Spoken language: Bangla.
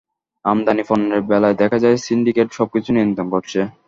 আমদানি পণ্যের বেলায় দেখা যায় সিন্ডিকেট সবকিছু নিয়ন্ত্রণ করছে।